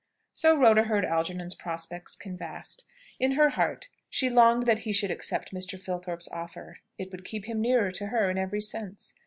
So Rhoda heard Algernon's prospects canvassed. In her heart she longed that he should accept Mr. Filthorpe's offer. It would keep him nearer to her in every sense.